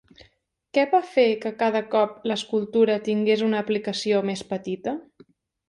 Què va fer que cada cop l'escultura tingués una aplicació més petita?